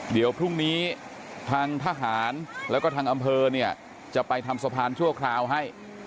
เดี๋ยวพรุ่งนี้ทางทหารแล้วก็ทางอำเภอเนี่ยจะไปทำสะพานชั่วคราวให้